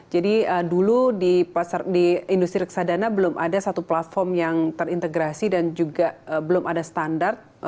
jadi dulu di industri reksadana belum ada satu platform yang terintegrasi dan juga belum ada standar